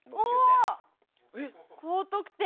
高得点。